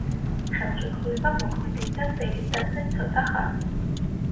ხელშეკრულება მოქმედებდა წელიწადზე ცოტახანს.